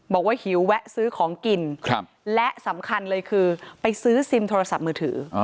หิวแวะซื้อของกินและสำคัญเลยคือไปซื้อซิมโทรศัพท์มือถือ